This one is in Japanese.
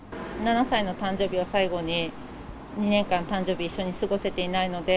７歳の誕生日を最後に、２年間、誕生日一緒に過ごせていないので、